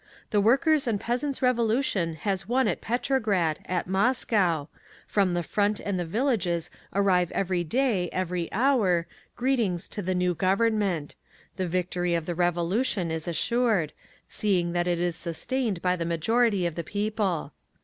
"The Workers' and Peasants' Revolution has won at Petrograd, at Moscow…. From the Front and the villages arrive every day, every hour, greetings to the new Government…. The victory of the Revolution…. is assured, seeing that it is sustained by the majority of the people.